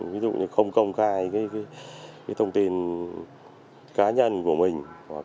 ví dụ như không công khai thông tin cá nhân của mình